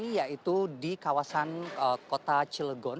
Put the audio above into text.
yaitu di kawasan kota cilegon